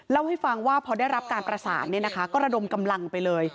เล่าให้ฟังว่าพอได้รับการประสานก็ระดมกำลังไปเลย